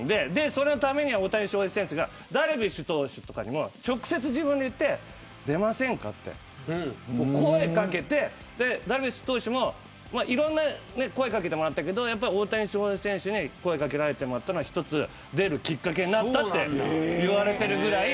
そのために大谷選手がダルビッシュ選手に直接自分でいって出ませんかと声を掛けてダルビッシュ投手もいろいろ声を掛けてもらったけど大谷翔平選手に声を掛けてもらったのが出るきっかけになったと言われているぐらい。